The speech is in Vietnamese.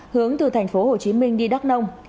hướng từ thành phố hồ chí minh đi đắk nông